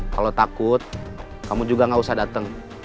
kalau takut kamu juga gak usah datang